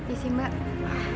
iya sih mbak